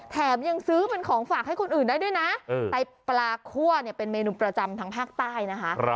ยังซื้อเป็นของฝากให้คนอื่นได้ด้วยนะไตปลาคั่วเนี่ยเป็นเมนูประจำทางภาคใต้นะคะ